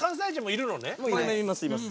いますいます。